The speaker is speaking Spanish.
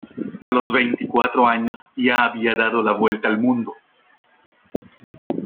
A los veinticuatro años ya había dado la vuelta al mundo.